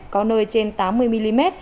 có nơi trên tám mươi mm